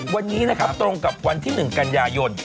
วันนี้นะครับตรงกับวันที่๑กันยายน